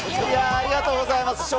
いやー、ありがとうございます。